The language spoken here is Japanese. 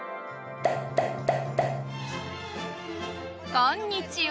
こんにちは。